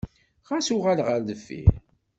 Ɣas uɣal ɣer deffir.